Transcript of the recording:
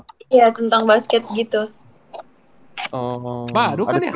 iya tentang basket gitu